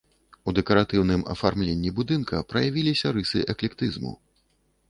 У дэкаратыўным афармленні будынка праявіліся рысы эклектызму.